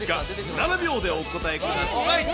７秒でお答えください。